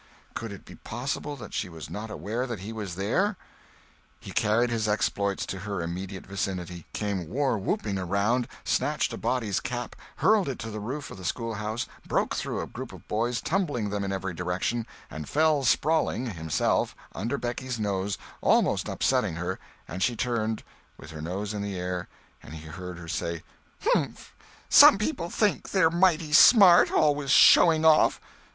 Could it be possible that she was not aware that he was there? He carried his exploits to her immediate vicinity; came war whooping around, snatched a boy's cap, hurled it to the roof of the schoolhouse, broke through a group of boys, tumbling them in every direction, and fell sprawling, himself, under Becky's nose, almost upsetting her—and she turned, with her nose in the air, and he heard her say: "Mf! some people think they're mighty smart—always showing off!"